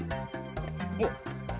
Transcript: おっ。